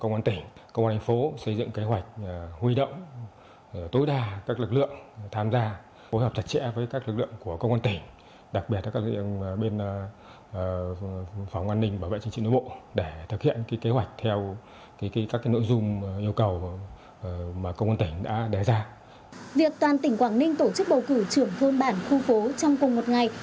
việc toàn tỉnh quảng ninh tổ chức bầu cử trường thôn bản khu phố trong cùng một ngày